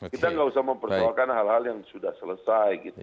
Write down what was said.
kita nggak usah mempersoalkan hal hal yang sudah selesai gitu